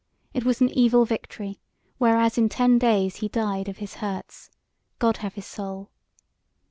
it was an evil victory, whereas in ten days he died of his hurts. God have his soul!